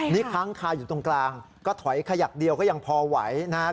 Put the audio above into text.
นี่ค้างคาอยู่ตรงกลางก็ถอยขยักเดียวก็ยังพอไหวนะครับ